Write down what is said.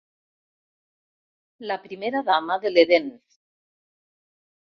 La primera dama de l'Edèn.